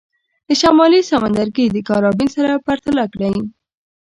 د شمالي سمندرګي د کارابین سره پرتله کړئ.